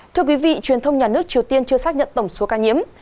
thưa quý vị truyền thông nhà nước triều tiên chưa xác nhận tổng số ca nhiễm